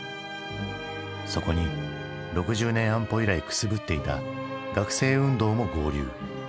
そこに６０年安保以来くすぶっていた学生運動も合流。